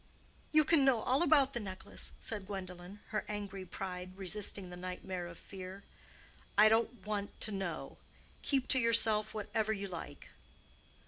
"You can know all about the necklace," said Gwendolen, her angry pride resisting the nightmare of fear. "I don't want to know. Keep to yourself whatever you like."